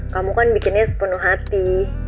kamu kan bikinnya sepenuh hati